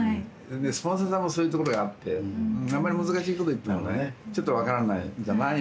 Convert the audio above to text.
スポンサーさんもそういうところがあってあんまり難しいこと言ってもねちょっと分からないんじゃないのと。